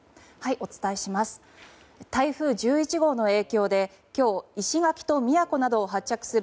お伝えします。